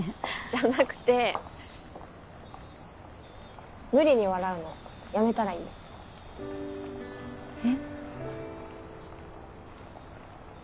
じゃなくてムリに笑うのやめたらいいよ。え？